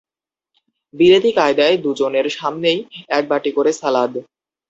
বিলেতি কায়দায় দু জনের সামনেই এক বাটি করে সালাদ।